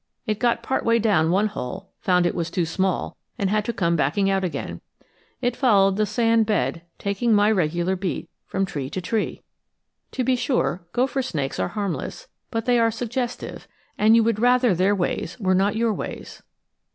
It got part way down one hole, found that it was too small, and had to come backing out again. It followed the sand bed, taking my regular beat, from tree to tree! To be sure, gopher snakes are harmless, but they are suggestive, and you would rather their ways were not your ways.